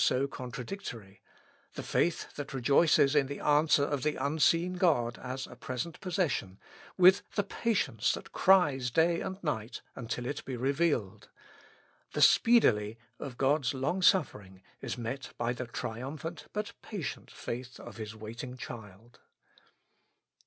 so contradictory; the faith that rejoices in the answer of the unseen God as a present possession, with the patience that cries day and night until it be revealed. The speedily of God's long suffering is met by the triumphant but patient faith of His waiting child.